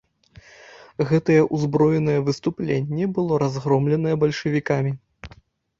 Гэтае ўзброенае выступленне было разгромленае бальшавікамі.